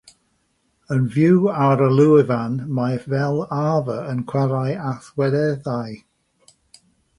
Yn fyw ar y llwyfan, mae fel arfer yn chwarae allweddellau.